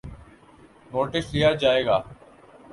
Notice لیا جائے گا۔